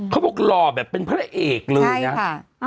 หล่อแบบเป็นพระเอกเลยนะ